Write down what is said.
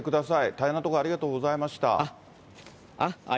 大変なところ、ありがとうございます。